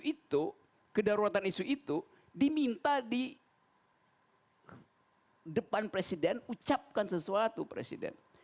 keseriusan isu itu kedahruatan isu itu diminta di depan presiden ucapkan sesuatu presiden